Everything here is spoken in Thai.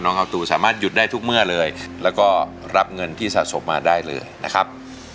อาตูสามารถหยุดได้ทุกเมื่อเลยแล้วก็รับเงินที่สะสมมาได้เลยนะครับ